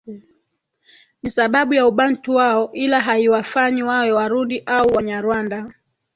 Ni sababu ya ubantu wao ila haiwafanyi wawe warundi au wanyarwanda